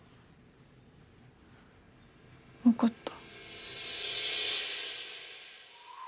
分かった